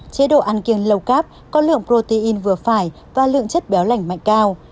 chế độ ăn kiêng low carb có lượng protein vừa phải và lượng chất béo lạnh mạnh cao